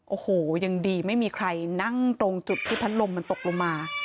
โอ้โหยังดีไม่มีใครนั่งตรงจุดที่พัดลมมันตกลงมา